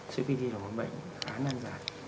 cpt là một bệnh khá năng giải